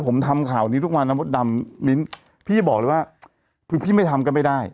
ผมทำข่าวนี้ทุกวันนะมดดำมิ้นพี่บอกเลยว่าคือพี่ไม่ทำก็ไม่ได้